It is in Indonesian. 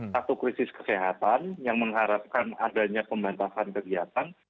satu krisis kesehatan yang mengharapkan adanya pembatasan kegiatan